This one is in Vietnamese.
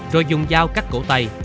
rồi dùng dao cắt cổ tay